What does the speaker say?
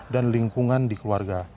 dan lingkungan di keluarga